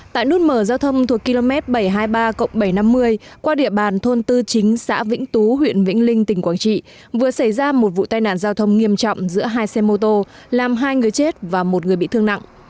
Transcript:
tại nút mở giao thông thuộc km bảy trăm hai mươi ba bảy trăm năm mươi qua địa bàn thôn tư chính xã vĩnh tú huyện vĩnh linh tỉnh quảng trị vừa xảy ra một vụ tai nạn giao thông nghiêm trọng giữa hai xe mô tô làm hai người chết và một người bị thương nặng